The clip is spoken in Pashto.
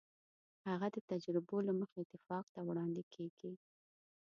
هغه د تجربو له مخې اتفاق ته وړاندې کېږي.